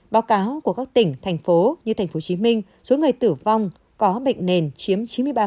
báo cáo của các tỉnh thành phố như tp hcm số người tử vong có bệnh nền chiếm chín mươi ba